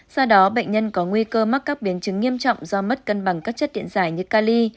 sau đó bệnh nhân có nguy cơ mắc các biến chứng nghiêm trọng do mất cân bằng các chất điện giải như cali